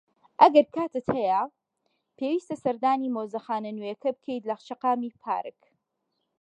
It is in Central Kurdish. ئەگەر کاتت هەیە، پێویستە سەردانی مۆزەخانە نوێیەکە بکەیت لە شەقامی پارک.